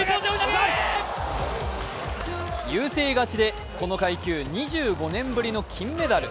優勢勝ちでこの階級２５年ぶりの金メダル。